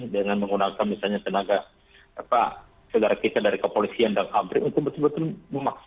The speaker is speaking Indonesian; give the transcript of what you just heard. dengan menggunakan misalnya tenaga segara kita dari kepolisian dan kabri untuk betul betul memahami